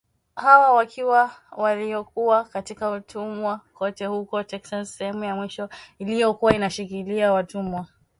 Hawa wakiwa waliokuwa katika utumwa kote huko Texas, sehemu ya mwisho iliyokuwa inashikilia watumwa.